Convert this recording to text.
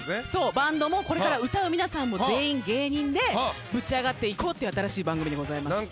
バンドもこれから歌う皆さんも全員芸人でぶち上がっていこうっていう新しい番組でございます。